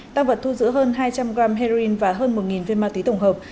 tăng vật thu giữ hơn hai trăm linh g heroin và hơn một viên ma túy tổng hợp